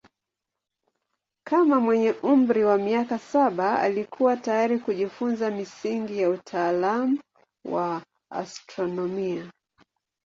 Kama mwenye umri wa miaka saba alikuwa tayari kujifunza misingi ya utaalamu wa astronomia.